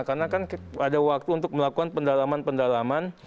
karena kan ada waktu untuk melakukan pendalaman pendalaman